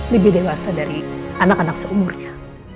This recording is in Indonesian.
lebih dewasa dari anak anak seumurnya